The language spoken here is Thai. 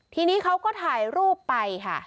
ทีนี้เขาก็ถ่ายรูปไปค่ะ